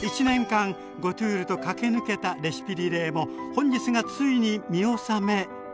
１年間ゴトゥールと駆け抜けたレシピリレーも本日がついに見納め。